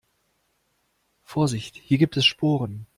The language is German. Vorsicht, hier gibt es Sporen.